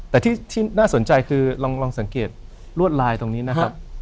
แต่ที่น่าสนใจคือลองสังเกตลวดลายตรงนี้นะครับ